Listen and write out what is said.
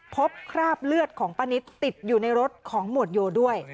คราบเลือดของป้านิตติดอยู่ในรถของหมวดโยด้วย